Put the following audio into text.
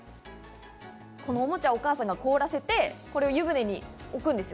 おもちゃをお母さんが凍らせて、これを湯船につけるんです。